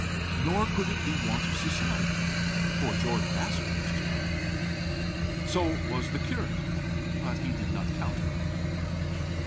Nor could it be want of society, for George Bascombe was to dine with them. So was the curate, but he did not count for much.